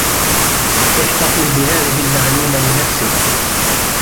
احتفظ بهذه المعلومة لنفسك.